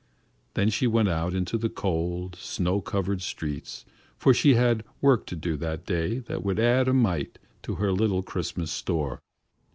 Then she went out into the cold, snow covered streets, for she had work to do that day that would add a mite to her little Christmas store.